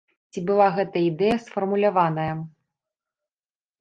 Ці была гэтая ідэя сфармуляваная?